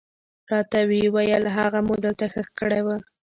راته ويې ويل هغه مو دلته ښخ کړى و.